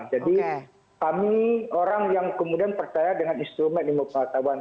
jadi kami orang yang kemudian percaya dengan instrumen lima pengetahuan